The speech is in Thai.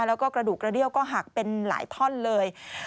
แล้วก็กระดูกกระเดี้ยวก็หักเป็นหลายท่อนเลย